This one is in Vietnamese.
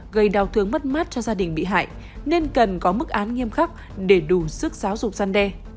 gây đau thương mất mát cho gia đình bị hại nên cần có mức án nghiêm khắc để đủ sức giáo dục gian đe